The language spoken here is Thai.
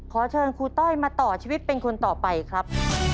ขอเชิญครูต้อยมาต่อชีวิตเป็นคนต่อไปครับ